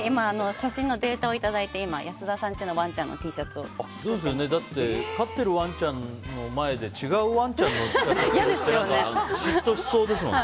写真のデータをいただいて今、安田さんちのワンちゃんのＴシャツを飼ってるワンちゃんの前で違うワンちゃんのを着ると嫉妬しそうですもんね。